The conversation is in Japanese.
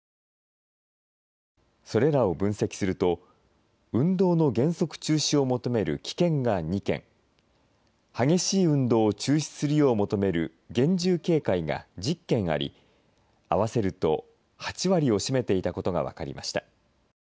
それらを分析すると運動の原則中止を求める危険が２件、激しい運動を中止するよう求める厳重警戒が１０件あり合わせると８割を占めていたことが分かりました。